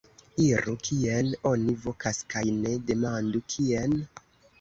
Iru, kien oni vokas kaj ne demandu: kien?